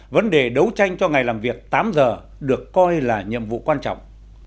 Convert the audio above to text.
vấn đề đấu tranh cho ngày làm việc tám giờ được coi là nhiệm vụ quan trọng